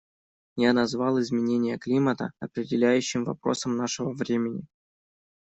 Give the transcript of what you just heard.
Я назвал изменение климата определяющим вопросом нашего времени.